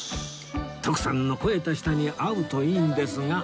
徳さんの肥えた舌に合うといいんですが